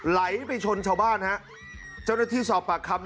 ไหลไปชนชาวบ้านฮะเจ้าหน้าที่สอบปากคำ